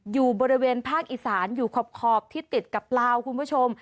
อยู่บริเวณภาคอีสานอยู่ขอบที่ติดกับลาวคุณผู้ชม